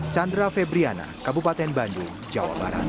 chandra febriana kabupaten bandung jawa barat